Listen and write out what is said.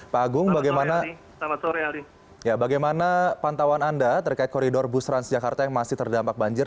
pak agung bagaimana pantauan anda terkait koridor bus transjakarta yang masih terdampak banjir